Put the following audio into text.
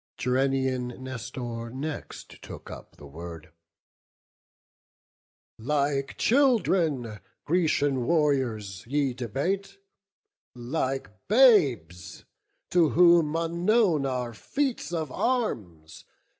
Gerenian Nestor next took up the word: "Like children, Grecian warriors, ye debate; Like babes to whom unknown are feats of arms.